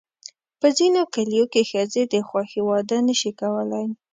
په ځینو کلیو کې ښځې د خوښې واده نه شي کولی.